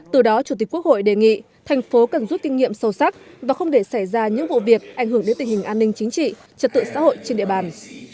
từ đó chủ tịch quốc hội đề nghị thành phố cần rút kinh nghiệm sâu sắc và không để xảy ra những vụ việc ảnh hưởng đến tình hình an ninh chính trị trật tự xã hội trên địa bàn